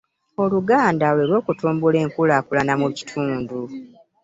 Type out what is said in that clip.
Oluganda lwe lw'okutumbula enkulaakulana mu kitundu.